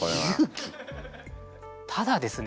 ただですね